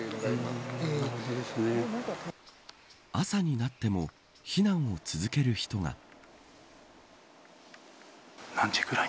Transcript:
朝になっても避難を続ける人が。